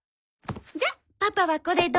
じゃあパパはこれどうぞ。